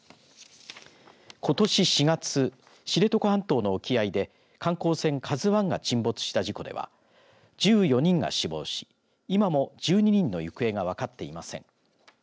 ことし４月知床半島の沖合で観光船ＫＡＺＵＩが沈没した事故では１４人が死亡し今も１２人の行方が分かっていません。